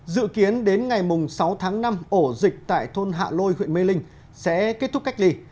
dự kiến đến ngày sáu tháng năm ổ dịch tại thôn hạ lôi huyện mê linh sẽ kết thúc cách ly